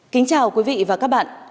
kính chào quý vị và các bạn